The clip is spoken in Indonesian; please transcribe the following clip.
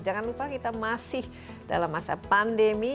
jangan lupa kita masih dalam masa pandemi